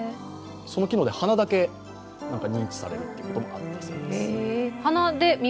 その機能で鼻だけ認知されることもあるんだそうです。